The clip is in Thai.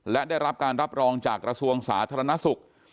และได้รับการรับรองจากกระทรวงสาธารณสุข